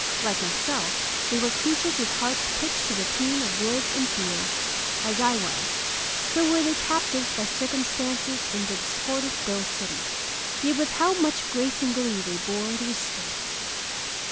Like myself, they were creatures with hearts pitched to the tune of woods and fields; as I was, so were they captives by circumstance in the discordant, dull city—yet with how much grace and glee they bore the restraint!